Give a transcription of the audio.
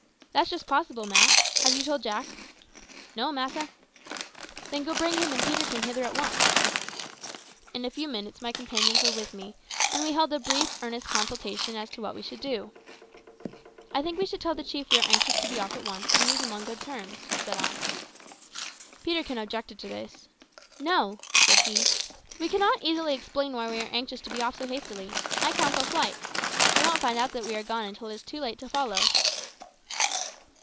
"That's just possible, Mak. Have you told Jack?" "No, massa." "Then go bring him and Peterkin hither at once." In a few minutes my companions were with me, and we held a brief earnest consultation as to what we should do. "I think we should tell the chief we are anxious to be off at once, and leave him on good terms," said I. Peterkin objected to this. "No," said he; "we cannot easily explain why we are anxious to be off so hastily. I counsel flight. They won't find out that we are gone until it is too late to follow."